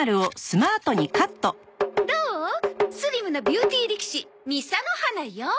スリムなビューティー力士「みさの花」よ。